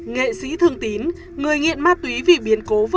nghệ sĩ thương tín người nghiện ma túy vì biến cố vợ nhỏ